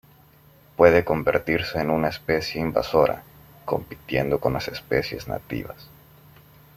Puede convertirse en una especie invasora, compitiendo con las especies nativas.